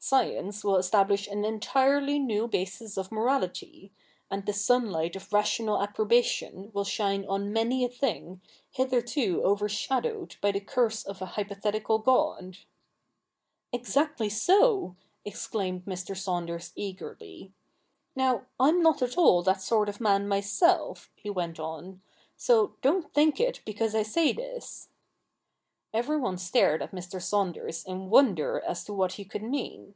Science will establish an entirely new basis of morality ; and the sunlight of rational approbation will shine on many a thing, hitherto overshadowed by the curse of a hypothetical God.' ' Exactly so,' exclaimed IMr. Saunders eagerly. 'Now, I'm not at all that sort of man myself,' he went on, ' so don't think it because I say this.' Everyone stared at Mr. Saunders in wonder as to what he could mean.